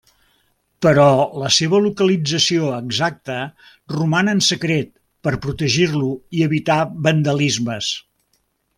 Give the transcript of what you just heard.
Però la seva localització exacta roman en secret per protegir-lo i evitar vandalismes.